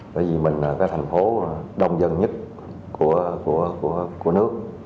bởi vì mình là cái thành phố đông dân nhất của nước